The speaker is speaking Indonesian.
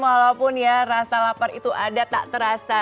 walaupun ya rasa lapar itu ada tak terasa